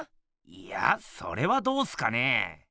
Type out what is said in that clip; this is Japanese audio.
いやそれはどうっすかね？